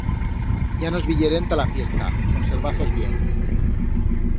Ya nos viyerem ta la fiesta, conservaz-os bien.